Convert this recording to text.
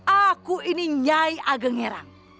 aku ini nyai ageng herang